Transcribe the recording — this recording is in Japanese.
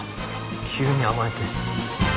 急に甘えて。